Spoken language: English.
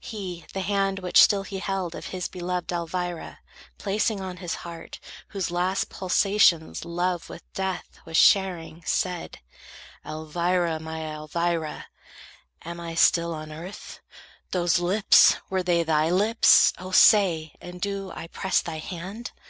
He The hand, which still he held, of his beloved Elvira, placing on his heart, whose last Pulsations love with death was sharing, said: "Elvira, my Elvira, am I still On earth? Those lips, were they thy lips? O, say! And do I press thy hand?